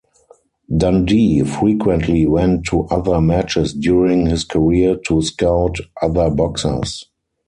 Dundee frequently went to other matches during his career to scout other boxers.